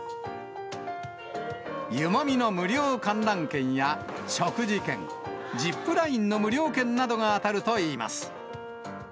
湯もみの無料観覧券や食事券、ジップラインの無料券などが当たるといいます。